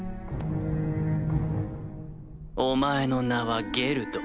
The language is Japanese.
お前の名はゲルド。